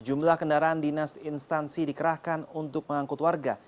jumlah kendaraan dinas instansi dikerahkan untuk mengangkut warga